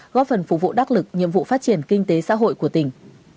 góp phần phục vụ đắc lực nhiệm vụ phát triển kinh tế xã hội của tỉnh